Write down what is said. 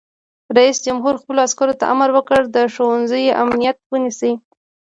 رئیس جمهور خپلو عسکرو ته امر وکړ؛ د ښوونځیو امنیت ونیسئ!